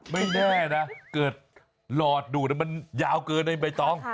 ไม่แน่นะเกิดหลอดหนูมันยาวกเกินเลย